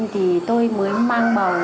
thì tôi mới mang bầu